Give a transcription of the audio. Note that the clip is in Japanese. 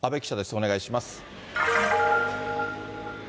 お願いします。